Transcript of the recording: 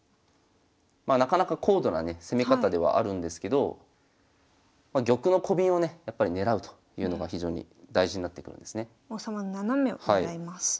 なかなか高度なね攻め方ではあるんですけど玉のコビンをねやっぱりねらうというのが非常に大事になってくるんですね。